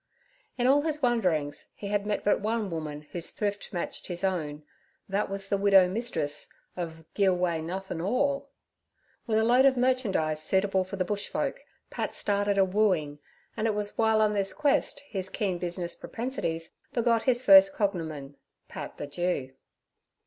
In all his wanderings he had met but one woman whose thrift matched his own, that was the widow mistress of 'Gi' Away. Nothin' 'All.' With a load of merchandise suitable for the Bush folk Pat started a wooing, and it was while on this quest his keen business propensities begot his first cognomen, 'Pat the Jew.'